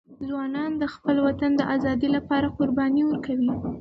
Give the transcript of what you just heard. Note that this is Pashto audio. ځوانان د خپل وطن د ازادۍ لپاره قرباني ورکوي.